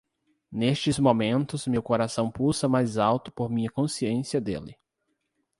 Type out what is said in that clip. Nestes momentos meu coração pulsa mais alto por minha consciência dele.